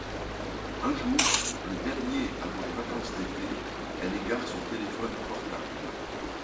Un jour, le dernier avant les vacances d’été, elle égare son téléphone portable.